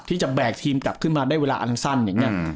ที่จะแบกทีมกลับขึ้นมาได้เวลาอันสั้นอย่างนี้